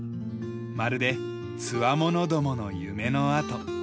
まるでつわものどもの夢の跡。